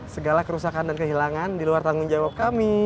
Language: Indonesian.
segala kerusakan dan kehilangan diluar tanggung jawab kami